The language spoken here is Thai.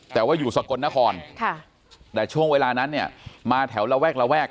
แต่ว่าอยู่สกรนครค่ะแต่ช่วงเวลานั้นยังมาแถวละแวกละแวก